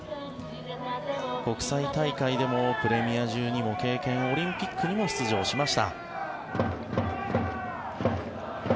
国際大会でもプレミア１２も経験オリンピックにも出場しました。